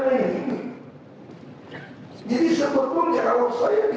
nanti kepada hukumnya kan